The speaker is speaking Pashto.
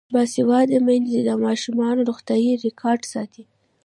باسواده میندې د ماشومانو روغتیايي ریکارډ ساتي.